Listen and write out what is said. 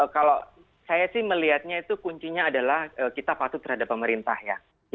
kalau saya sih melihatnya itu kuncinya adalah kita patuh terhadap pemerintah ya